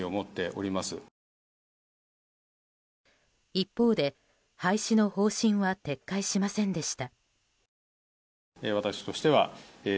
一方で廃止の方針は撤回しませんでした。